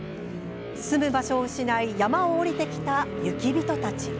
住む場所を失い、山を下りてきた雪人たち。